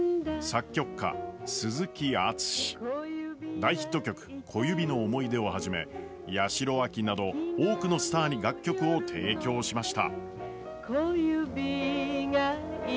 大ヒット曲「小指の想い出」をはじめ、八代亜紀など多くのスターに楽曲を提供しました。